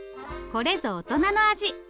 これぞ大人の味！